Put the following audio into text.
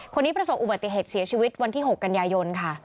ประสบอุบัติเหตุเสียชีวิตวันที่๖กันยายนค่ะ